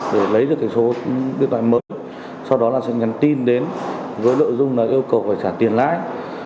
để lấy được số điện thoại mới sau đó sẽ nhắn tin đến với lợi dụng yêu cầu phải trả tiền lái